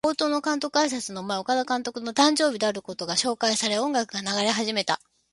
冒頭の監督あいさつの前、岡田監督の誕生日であることが紹介され、音楽が流れ始めた。